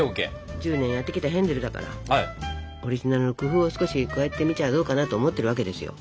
１０年やってきたヘンゼルだからオリジナルの工夫を少し加えてみちゃどうかなと思ってるわけですよ。